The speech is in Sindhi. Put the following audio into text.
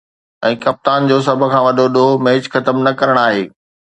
۽ ڪپتان جو سڀ کان وڏو ”ڏوهه“ ميچ ختم نه ڪرڻ آهي